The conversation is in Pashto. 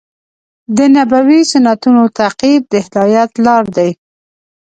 د نبوي سنتونو تعقیب د هدایت لار دی.